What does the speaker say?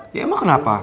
ya emang kenapa